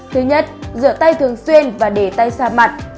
thứ nhất rửa tay thường xuyên và để tay xa mặt